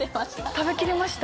食べきれました？